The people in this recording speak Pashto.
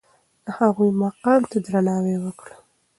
د هغوی مقام ته درناوی وکړئ.